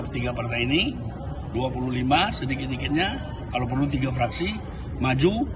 tiga partai ini dua puluh lima sedikit dikitnya kalau perlu tiga fraksi maju